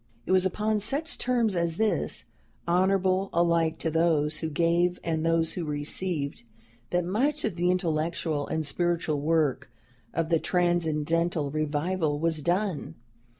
It was upon such terms as this, honorable alike to those who gave and those who received, that much of the intellectual and spiritual work of the Transcendental revival was done.